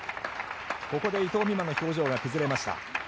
ここで伊藤美誠の表情が崩れました。